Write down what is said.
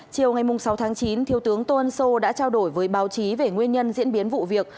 chiều ngày sáu tháng chín thiếu tướng tô ân sô đã trao đổi với báo chí về nguyên nhân diễn biến vụ việc